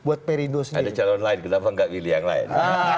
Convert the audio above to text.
ada calon lain kenapa nggak pilih yang lain